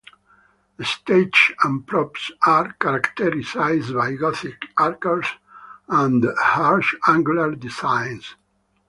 The stage and props are characterized by gothic arches and harsh angular designs.